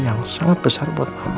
yang sangat besar